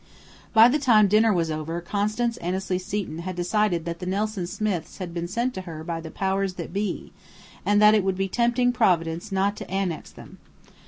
By the time dinner was over Constance Annesley Seton had decided that the Nelson Smiths had been sent to her by the Powers that Be, and that it would be tempting Providence not to annex them.